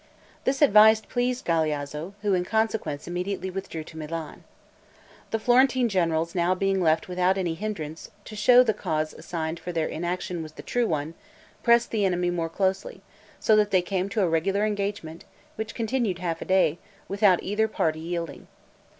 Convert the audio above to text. This advice pleased Galeazzo, who, in consequence, immediately withdrew to Milan. The Florentine generals being now left without any hindrance, to show that the cause assigned for their inaction was the true one, pressed the enemy more closely, so that they came to a regular engagement, which continued half a day, without either party yielding.